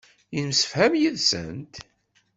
Yemsefham yid-sent.